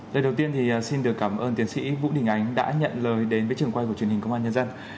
lời đầu tiên thì xin được cảm ơn tiến sĩ vũ đình ánh đã nhận lời đến với trường quay của truyền hình công an nhân dân